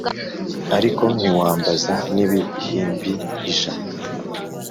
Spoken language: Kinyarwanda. Ariko ntiwambaza nibihimbi ijana